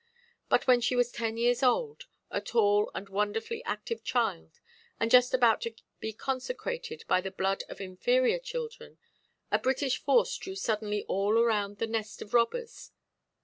But, when she was ten years old, a tall and wonderfully active child, and just about to be consecrated by the blood of inferior children, a British force drew suddenly all around the nest of robbers.